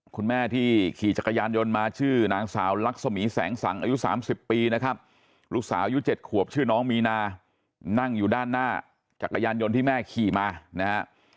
คุณแม่ที่ขี่จักรยานยนต์มาชื่อนางสาวลักษมีแสงสังอายุ๓๐ปีนะครับลูกสาวอายุ๗ขวบชื่อน้องมีนานั่งอยู่ด้านหน้าจักรยานยนต์ที่แม่ขี่มานะฮะ